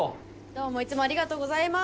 どうもいつもありがとうございます。